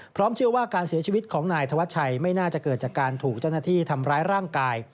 เชื่อว่าการเสียชีวิตของนายธวัชชัยไม่น่าจะเกิดจากการถูกเจ้าหน้าที่ทำร้ายร่างกาย